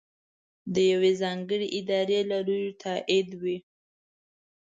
د یوې ځانګړې ادارې له لورې تائید وي.